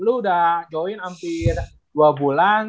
lu udah join hampir dua bulan